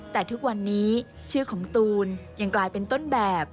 แต่ทุกวันนี้ชื่อของตูนยังกลายเป็นต้นแบบ